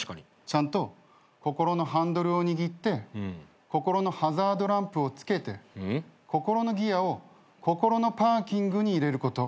ちゃんと心のハンドルを握って心のハザードランプをつけて心のギアを心のパーキングに入れること。